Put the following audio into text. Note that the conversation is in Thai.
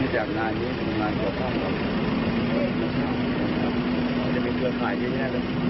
จากร้านนี้ถึงร้านต่อข้างมีเครือข่ายเยอะแยะแล้ว